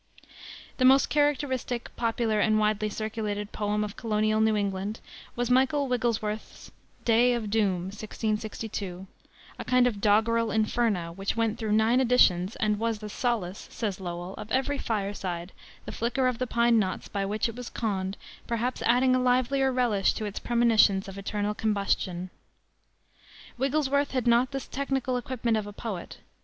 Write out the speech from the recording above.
The most characteristic, popular, and widely circulated poem of colonial New England was Michael Wigglesworth's Day of Doom (1662), a kind of doggerel Inferno, which went through nine editions, and "was the solace," says Lowell, "of every fireside, the flicker of the pine knots by which it was conned perhaps adding a livelier relish to its premonitions of eternal combustion." Wigglesworth had not the technical equipment of a poet.